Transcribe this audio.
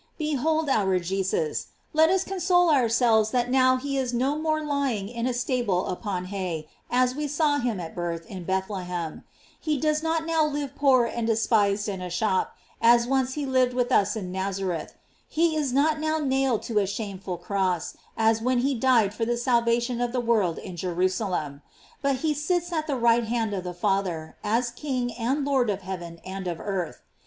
Behold our Jesus; let us console ourselves that now he is no more lying in a stable upon hay, as we saw him at his birth in Bethlehem; he does not now live poor and despised in a shop, as once he lived with us in Nazareth; he is not now nailed to a shameful cross, as when he died for the salvation of the world in Jerusalem; but he sits at the right hand of the Father, as king and Lord of heaven and of earth.